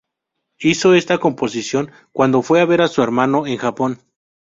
Hizo esta composición cuando fue a ver a su hermano en Japón.